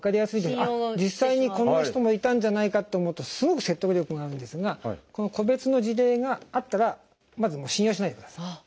実際にこんな人もいたんじゃないかと思うとすごく説得力があるんですがこの個別の事例があったらまず信用しないでください。